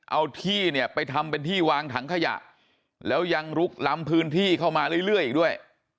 เอาที่เนี่ยไปทำเป็นที่วางถังขยะแล้วยังลุกล้ำพื้นที่เข้ามาเรื่อยอีกด้วย